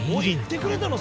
行ってくれたの？